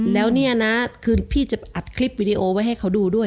แล้วเนี่ยนะคือพี่จะอัดคลิปวิดีโอไว้ให้เขาดูด้วย